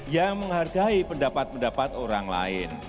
yang menghargai pendapat pendapat orang lain